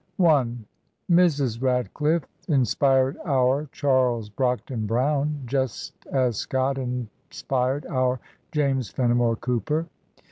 Mrs. RadcliflFe inspired our Charles Brockden Brown, just as Scott inspired our James Fenimore Cooper.